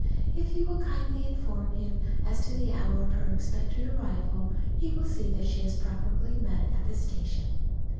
If you will kindly inform him as to the hour of her expected arrival, he will see that she is properly met at the station.